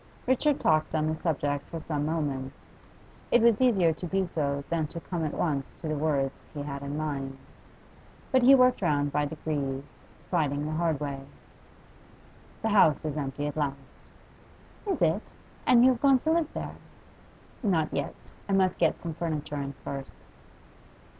Richard talked on the subject for some moments; it was easier to do so than to come at once to the words he had in mind. But he worked round by degrees, fighting the way hard. 'The house is empty at last.' 'Is it? And you have gone to live there?' 'Not yet. I must get some furniture in first.